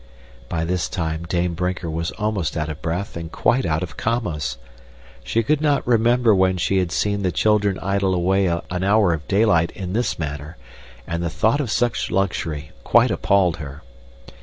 By this time Dame Brinker was almost out of breath and quite out of commas. She could not remember when she had seen the children idle away an hour of daylight in this manner, and the thought of such luxury quite appalled her.